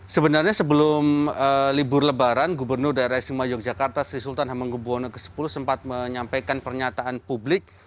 sebenarnya sebelum libur lebaran gubernur daerah istimewa yogyakarta sri sultan hamengkubwono x sempat menyampaikan pernyataan publik